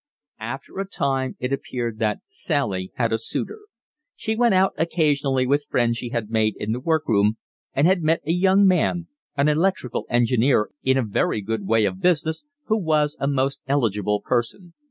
After a time it appeared that Sally had a suitor. She went out occasionally with friends she had made in the work room, and had met a young man, an electrical engineer in a very good way of business, who was a most eligible person.